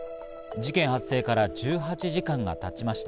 事件発生から１８時間がたちました。